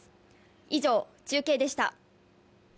以上、中継でした。